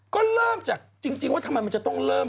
ก็เริ่มจากจริงว่าทำไมมันจะต้องเริ่ม